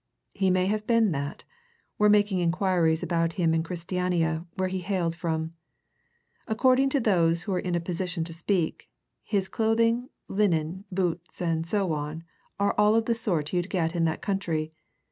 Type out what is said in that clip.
He may have been that we're making inquiries about him in Christiania, where he hailed from. According to those who're in a position to speak, his clothing, linen, boots, and so on are all of the sort you'd get in that country.